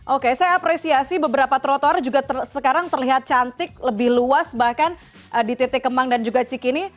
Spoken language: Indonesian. oke saya apresiasi beberapa trotoar juga sekarang terlihat cantik lebih luas bahkan di titik kemang dan juga cikini